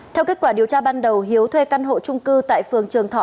theo kết quả điều tra ban đầu hiếu thuê căn hộ trung cư tại phường trường thọ